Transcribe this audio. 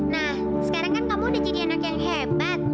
nah sekarang kan kamu udah jadi anak yang hebat